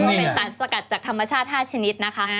เป็นสารสกัดจากธรรมชาติ๕ชนิดนะคะ